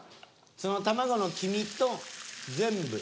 その卵の黄身と全部。